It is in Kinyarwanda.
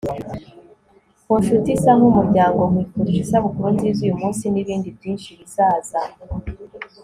ku nshuti isa nkumuryango, nkwifurije isabukuru nziza uyumunsi nibindi byinshi bizaza